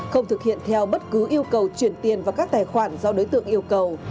không thực hiện theo bất cứ yêu cầu chuyển tiền vào các tài khoản do đối tượng yêu cầu